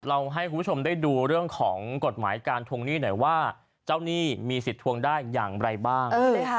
ให้คุณผู้ชมได้ดูเรื่องของกฎหมายการทวงหนี้หน่อยว่าเจ้าหนี้มีสิทธิ์ทวงได้อย่างไรบ้าง